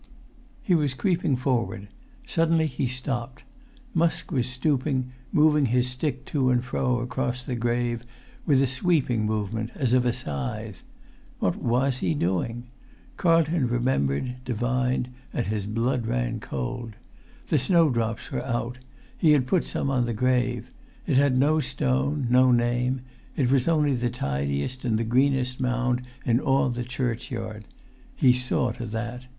He was creeping forward; suddenly he stopped. Musk was stooping, moving his stick to and fro across the grave, with a sweeping movement, as of a scythe. What was he doing? Carlton remembered—divined—and his blood ran cold. The snowdrops were out; he had put some on the grave. It had no stone, no name. It was only the tidiest and the greenest mound in all the churchyard. He saw to that.